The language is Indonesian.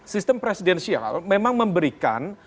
sistem presidensial memang memberikan